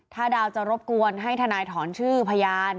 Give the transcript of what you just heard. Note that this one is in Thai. ถ้าดาวจะรบกวนให้ทนายถอนชื่อพยาน